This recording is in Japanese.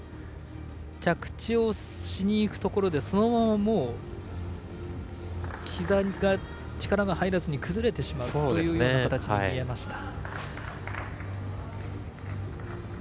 着地をしにいくところでそのまま、もうひざに力が入らずに崩れてしまう形に見えました。